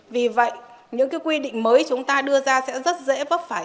vì vậy những quy định mới chúng ta đưa ra sẽ rất dễ vấp phải